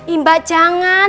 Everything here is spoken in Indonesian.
i mbak jangan